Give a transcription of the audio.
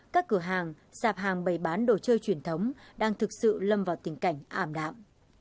các cửa hàng sạp hàng bày bán đồ chơi truyền thống đang thực sự lâm vào tình cảnh ảm đạm